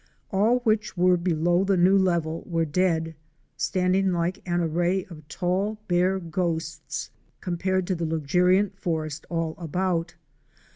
All which were below the new level were dead, standing like an array of tall bare ghosts compared to the luxuriant forest all about.